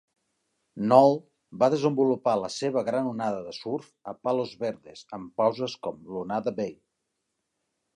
Noll va desenvolupar la seva gran onada de surf a Palos Verdes en pauses com Lunada Bay.